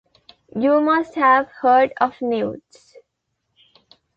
You must have heard of newts.